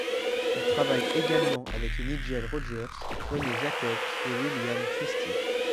Il travaille également avec Nigel Rogers, René Jacobs et William Christie.